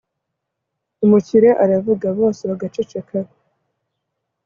umukire aravuga, bose bagaceceka